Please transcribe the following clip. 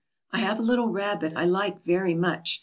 I have a little rabbit I like very much.